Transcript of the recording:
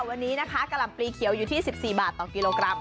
วันนี้นะคะกะหล่ำปลีเขียวอยู่ที่๑๔บาทต่อกิโลกรัม